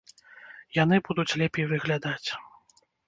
Яны будуць лепей выглядаць.